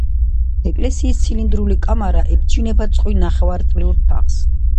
ეკლესიის ცილინდრული კამარა ებჯინება წყვილ ნახევარწრიულ თაღს.